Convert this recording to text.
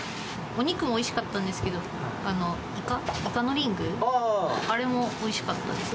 お肉もおいしかったんですけど、イカ、イカのリング、あれもおいしかったです。